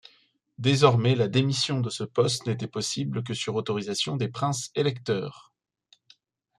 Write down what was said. Désormais la démission de ce poste n’était possible que sur autorisation des princes-électeurs.